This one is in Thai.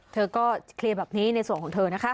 เธอก็เคลียร์แบบนี้ในส่วนของเธอนะคะ